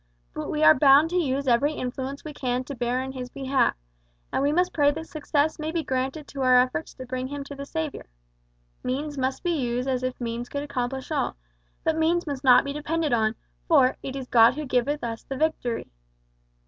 But we are bound to use every influence we can bring to bear in his behalf, and we must pray that success may be granted to our efforts to bring him to the Saviour. Means must be used as if means could accomplish all, but means must not be depended on, for `it is God who giveth us the victory.'